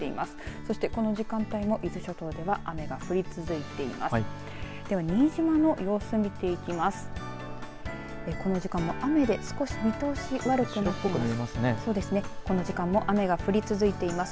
そしてこの時間帯の伊豆諸島では雨が降り続いています。